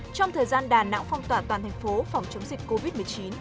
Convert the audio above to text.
trong thời gian đà nẵng phong tỏa toàn thành phố phòng chống dịch covid một mươi chín